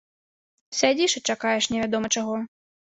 Сядзіш і чакаеш невядома чаго.